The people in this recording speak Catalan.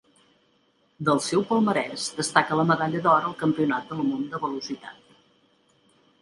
Del seu palmarès destaca la medalla d'or al Campionat del món de velocitat.